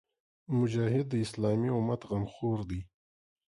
مجاهد د اسلامي امت غمخور وي.